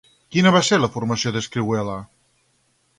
Quina va ser la formació d'Escrihuela?